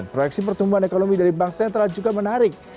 proyeksi pertumbuhan ekonomi dari bank sentral juga menarik